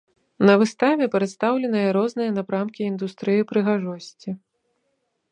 На выставе прадстаўленыя розныя напрамкі індустрыі прыгажосці.